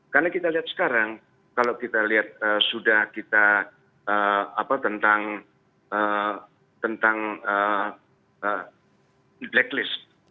karena kita lihat sekarang kalau kita lihat sudah kita tentang blacklist